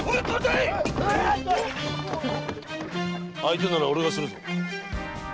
相手なら俺がするぞ。